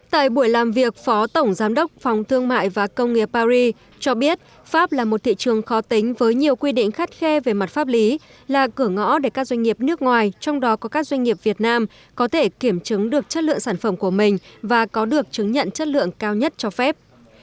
tại buổi làm việc phó tổng giám đốc phòng thương mại và công nghiệp paris cho biết pháp là một thị trường khó tính với nhiều quy định khắt khe về mặt pháp lý là cửa ngõ để các doanh nghiệp nước ngoài trong đó có các doanh nghiệp việt nam có thể kiểm chứng được chất lượng sản phẩm của mình và có được chứng nhận chất lượng cao nhất cho phép